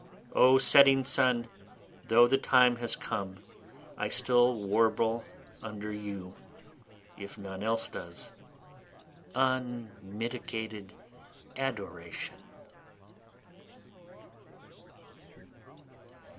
O setting sun! though the time has come, I still warble under you, if none else does, unmitigated adoration.